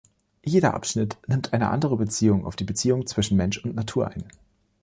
Jeder Abschnitt nimmt eine andere Perspektive auf die Beziehung zwischen Mensch und Natur ein.